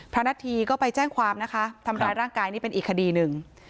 นาธีก็ไปแจ้งความนะคะทำร้ายร่างกายนี่เป็นอีกคดีหนึ่ง